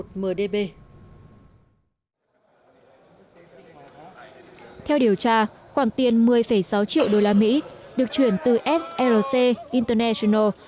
theo điều tra khoản tiền một mươi sáu triệu usd được chuyển từ src internetal